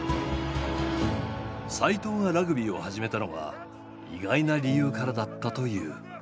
齋藤がラグビーを始めたのは意外な理由からだったという。